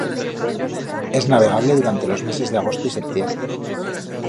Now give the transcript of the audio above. Es navegable durante los meses de agosto y septiembre.